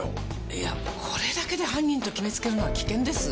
いやこれだけで犯人と決め付けるのは危険です！